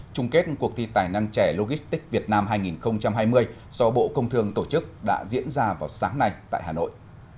trung kết cuộc thi tài năng trẻ logistics việt nam hai nghìn hai mươi do bộ công thương tổ chức đã diễn ra vào sáng nay tại hà nội